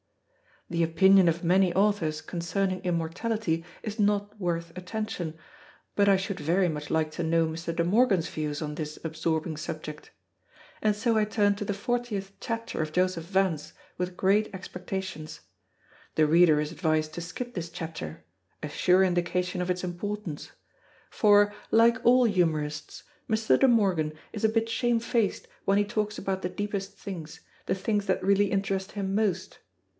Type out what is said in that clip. The opinion of many authors concerning immortality is not worth attention; but I should very much like to know Mr. De Morgan's views on this absorbing subject. And so I turn to the fortieth chapter of Joseph Vance with great expectations. The reader is advised to skip this chapter, a sure indication of its importance. For, like all humorists, Mr. De Morgan is a bit shamefaced when he talks about the deepest things, the things that really interest him most.